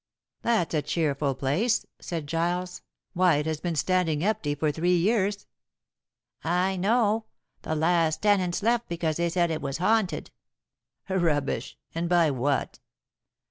"That's a cheerful place," said Giles. "Why, it has been standing empty for three years." "I know. The last tenants left because they said it was haunted." "Rubbish! And by what?"